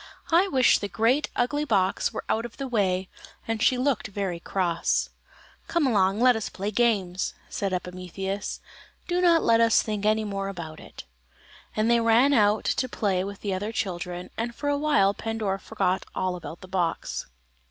"I wish the great ugly box were out of the way;" and she looked very cross. "Come along, and let us play games," said Epimetheus; "do not let us think any more about it;" and they ran out to play with the other children, and for a while Pandora forgot all about the box.